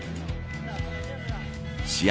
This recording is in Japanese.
試合